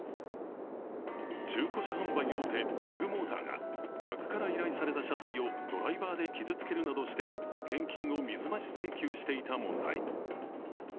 中古車販売大手ビッグモーターが客から依頼された車体をドライバーで傷つけるなどして保険金を水増し請求していた問題。